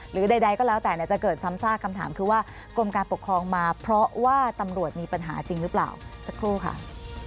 หรือใดก็แล้วแต่จะเกิดซ้ำซากคำถามคือว่ากรมการปกครองมาเพราะว่าตำรวจมีปัญหาจริงหรือเปล่าสักครู่ค่ะ